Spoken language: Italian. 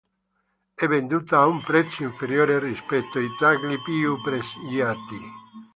È venduta a un prezzo inferiore rispetto ai tagli più pregiati.